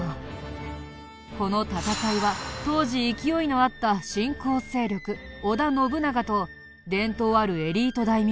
この戦いは当時勢いのあった新興勢力織田信長と伝統あるエリート大名